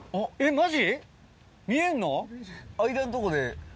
マジ。